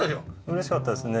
嬉しかったですね。